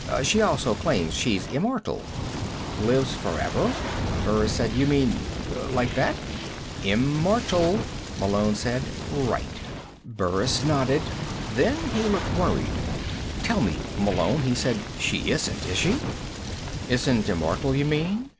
She also claims she's immortal." "Lives forever?" Burris said. "You mean like that?" "Immortal," Malone said. "Right." Burris nodded. Then he looked worried. "Tell me, Malone," he said. "She isn't, is she?" "Isn't immortal, you mean?"